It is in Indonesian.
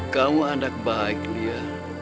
kamu anak baik lia